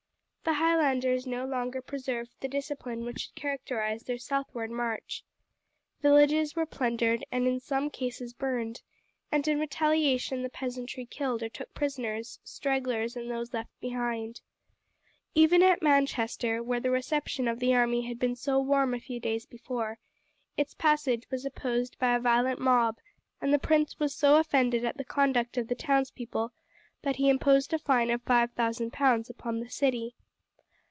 The Highlanders no longer preserved the discipline which had characterized their southward march. Villages were plundered and in some cases burned, and in retaliation the peasantry killed or took prisoners stragglers and those left behind. Even at Manchester, where the reception of the army had been so warm a few days before, its passage was opposed by a violent mob, and the prince was so offended at the conduct of the townspeople that he imposed a fine of five thousand pounds upon the city.